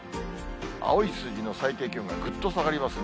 青い数字の最低気温がぐっと下がりますね。